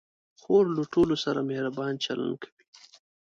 خور له ټولو سره مهربان چلند کوي.